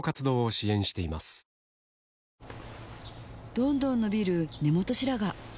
どんどん伸びる根元白髪